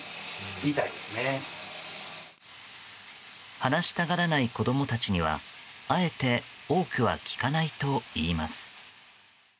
話したがらない子供たちにはあえて多くは聞かないといいます。